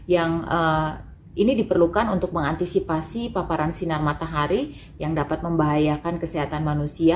yang ini diperlukan untuk mengantisipasi paparan sinar matahari yang dapat membahayakan pekerjaan di luar ruangan